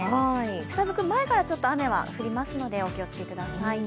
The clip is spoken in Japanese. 近づく前からちょっと雨は降りますのでお気をつけください。